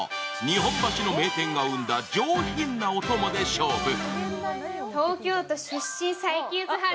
日本橋の名店が生んだ上品なおともで勝負。